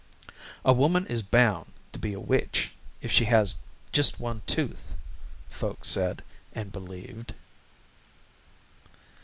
"A woman is bound to be a witch if she has just one tooth," folks said and believed.